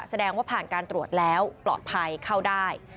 แสดงว่าผ่านการตรวจแล้วปลอดภัยเข้าได้